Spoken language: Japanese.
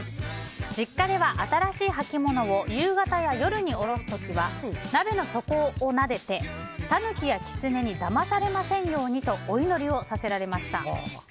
実家では新しい履物を夕方や夜におろす時は鍋の底をなでてタヌキやキツネにだまされませんようにとお祈りをさせられました。